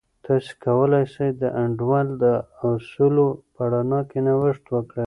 تاسې کولای سئ د انډول د اصولو په رڼا کې نوښت وکړئ.